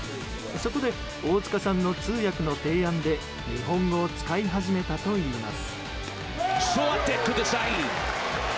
そこで、大塚さんの通訳の提案で日本語を使い始めたといいます。